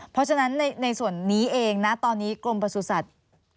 เพราะฉะนั้นในส่วนนี้เองนะตอนนี้กรมประสุทธิ์